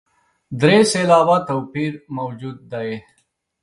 درې سېلابه توپیر موجود دی.